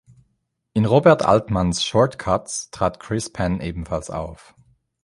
In Robert Altmans "Short Cuts" trat Chris Penn ebenfalls auf.